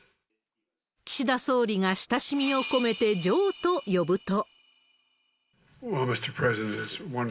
岸田総理が親しみを込めてジョーと呼ぶと。